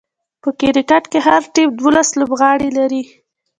په کرکټ کښي هر ټيم دوولس لوبغاړي لري.